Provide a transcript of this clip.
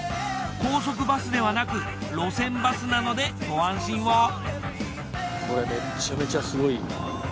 高速バスではなく路線バスなのでご安心を。ねぇ。